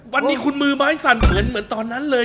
วันนี้คุณมือไม้สั่นเหมือนตอนนั้นเลย